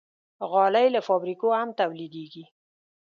غالۍ له فابریکو هم تولیدېږي.